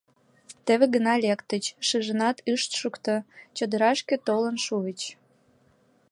Теве гына лектыч, шижынат ышт шукто, чодырашке толын шуыч.